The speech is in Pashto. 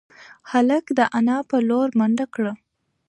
هلک د انا په لور منډه کړه.